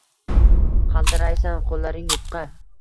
Qaltiraysan, qoʼllaring yupqa.